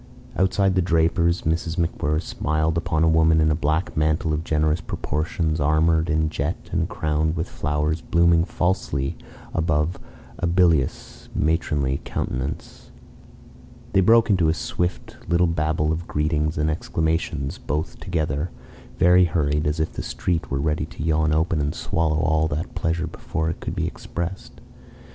Outside the draper's Mrs. MacWhirr smiled upon a woman in a black mantle of generous proportions armoured in jet and crowned with flowers blooming falsely above a bilious matronly countenance. They broke into a swift little babble of greetings and exclamations both together, very hurried, as if the street were ready to yawn open and swallow all that pleasure before it could be expressed.